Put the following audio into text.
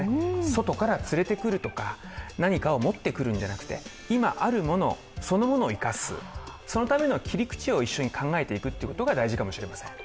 外から連れてくるとか、何かを持ってくるんじゃなくて、今あるものそのものを生かす、そのための切り口を考えていくということが大事だと思います。